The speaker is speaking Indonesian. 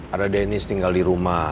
ada dennis tinggal di rumah